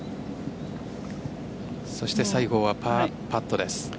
そして西郷はパーパットです。